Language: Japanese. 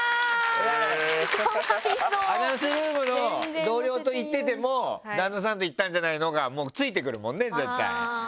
アナウンス部の同僚と行ってても旦那さんとったんじゃないの？がついてくるもんね。